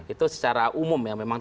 itu secara umum ya memang